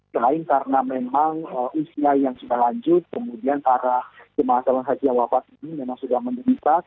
selain karena memang usia yang sudah lanjut kemudian para jemaah calon haji yang wafat ini memang sudah menderita